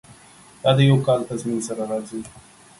دا د یو کال تضمین سره راځي.